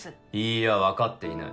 いやわかっていない。